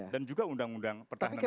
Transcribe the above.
dan juga undang undang pertahanan negara